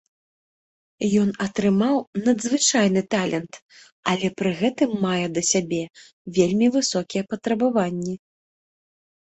Ён атрымаў надзвычайны талент, але пры гэтым мае да сябе вельмі высокія патрабаванні.